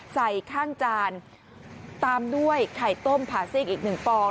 ใส่ข้างจานตามด้วยไข่ต้มผ่าซีกอีกหนึ่งฟอง